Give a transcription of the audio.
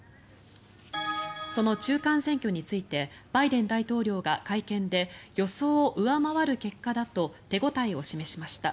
その中間選挙についてバイデン大統領が会見で予想を上回る結果だと手応えを示しました。